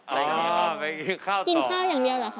อะไรอย่างนี้ครับไปกินข้าวต่อกินข้าวอย่างเดียวหรือคะ